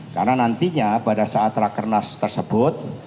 karena nantinya pada saat rakernas tersebut